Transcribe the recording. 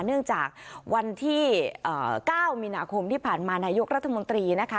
เนื่องจากวันที่๙มีนาคมที่ผ่านมานายกรัฐมนตรีนะคะ